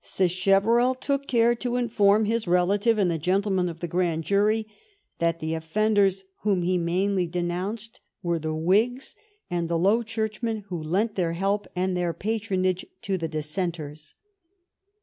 Sachev erell took care to inform his relative and the gentle men of the grand jury that the offenders whom he mainly denounced were the Whigs and the Low Church men who lent their help and their patronage to the Dissenters.